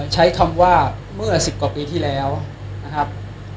ใช้คำว่าเมื่อ๑๐กว่าปีที่แล้วนะครับ